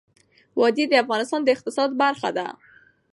وادي د افغانستان د اقتصاد برخه ده.